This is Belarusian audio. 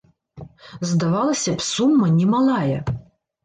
Здавалася б, сума немалая.